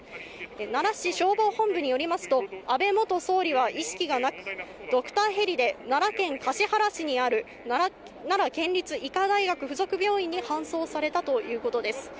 奈良市消防本部によりますと、安倍元総理は意識がなく、ドクターヘリで奈良県橿原市にある奈良県立医科大学附属病院に搬送されたということです。